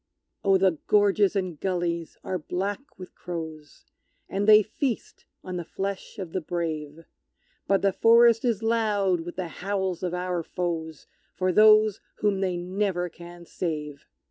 Oh! the gorges and gullies are black with crows, And they feast on the flesh of the brave; But the forest is loud with the howls of our foes For those whom they never can save!